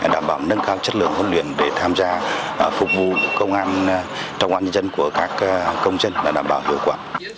đảm bảo nâng cao chất lượng huấn luyện để tham gia phục vụ công an trong an nhân dân của các công dân để đảm bảo hiệu quả